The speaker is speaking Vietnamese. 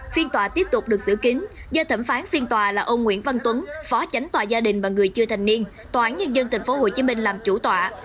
phiên tòa tiếp tục được giữ kín do thẩm phán phiên tòa là ông nguyễn văn tuấn phó tránh tòa gia đình và người chưa thành niên tòa án nhân dân tp hcm làm chủ tòa